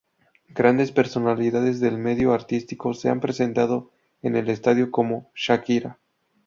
Grandes personalidades del medio artístico se han presentado en el estadio, como Shakira.